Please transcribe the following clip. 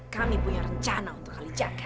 kami punya rencana untuk kalijaga